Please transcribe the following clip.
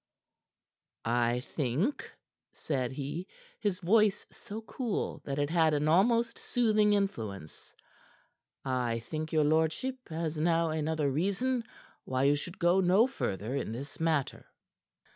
"I think," said he, his voice so cool that it had an almost soothing influence, "I think your lordship has now another reason why you should go no further in this matter."